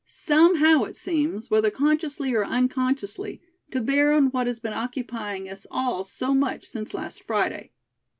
Somehow, it seems, whether consciously or unconsciously, to bear on what has been occupying us all so much since last Friday."